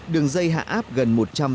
đường dây hạ áp gần